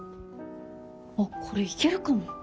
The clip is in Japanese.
あっこれいけるかも。